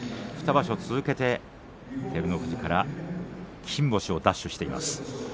２場所続けて照ノ富士から金星を奪取しています。